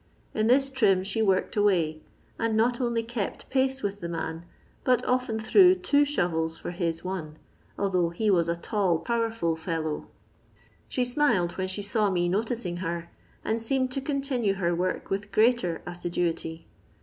In this trim she worked away, and not only kept pace with the man, but often threw two shovels for his one, although he was a tall, powerful fellow. She smiled when she saw me noticing her, and seemed to continue her work with greater assiduity.